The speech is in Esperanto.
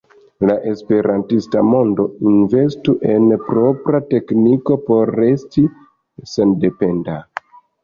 La esperantista mondo investu en propra tekniko por resti sendependa.